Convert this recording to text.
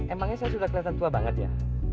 emangnya saya sudah kelihatan tua banget ya